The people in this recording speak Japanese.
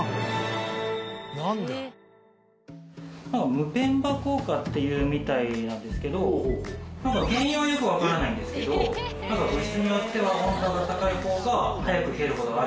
「ムペンバ効果」っていうみたいなんですけどなんか原因はよくわからないんですけどなんか物質によっては温度が高い方が早く冷える事があるみたいです。